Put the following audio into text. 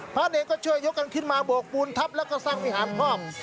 พระเนรก็ช่วยยกกันขึ้นมาบวกบูรณ์ทัพแล้วก็สร้างวิหารพร่อม